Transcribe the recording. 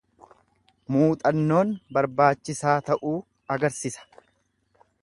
Muuxannoon barbaachisaa ta'uu agarsisa.